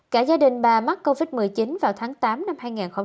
cả gia đình bà mắc covid một mươi chín vào tháng tám năm hai nghìn hai mươi